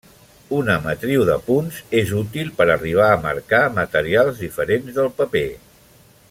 Una matriu de punts és útil per arribar a marcar materials diferents del paper.